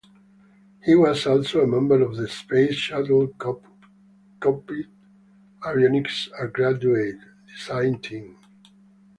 He was also a member of the Space Shuttle Cockpit Avionics Upgrade design team.